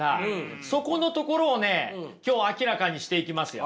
そこのところをね今日明らかにしていきますよ。